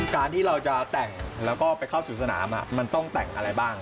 การที่เราจะแต่งแล้วก็ไปเข้าสู่สนามมันต้องแต่งอะไรบ้าง